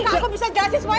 kakak bisa gasin semua ini